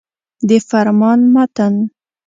د فرمان متن.